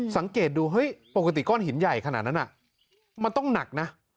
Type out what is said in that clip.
สังเกตดูเฮ้ยปกติก้อนหินใหญ่ขนาดนั้นมันต้องหนักนะ